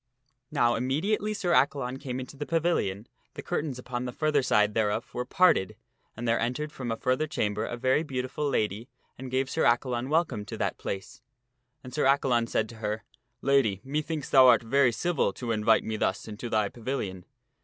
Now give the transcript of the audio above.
Now immediately Sir Accalon came into the pavilion, the curtains upon the further side thereof were parted and there entered from a further chamber a very beautiful lady and gave Sir Accalon welcome to that place. And Sir Accalon said to her, " Lady, methinks thou art very civil to invite me thus into thy pavilion."